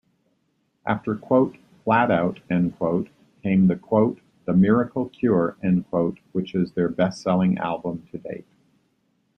After "Flatout" came "The Miracle Cure", which is their best selling album to date.